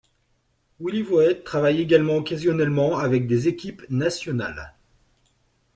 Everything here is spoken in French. Willy Voet travaille également occasionnellement avec des équipes nationales.